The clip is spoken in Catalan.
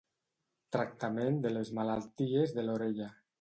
Tractament de les malalties de l'orella.